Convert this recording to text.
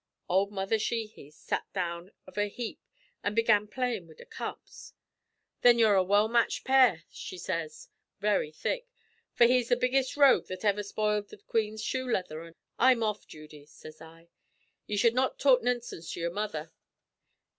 "Ould Mother Sheehy sat down of a heap, an' began playin' wid the cups. 'Thin you're a well matched pair,' she sez, very thick; 'for he's the biggest rogue that iver spoiled the queen's shoe leather, an' ' "'I'm off, Judy,' sez I. 'Ye should not talk nonsinse to your mother.